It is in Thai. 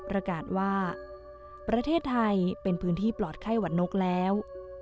อากาศว่าประเทศไทยเป็นพื้นที่ปลอดไข้หวัดนกแล้ว